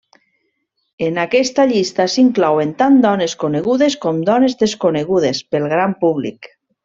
En aquesta llista s'inclouen tant dones conegudes com dones desconegudes pel gran públic.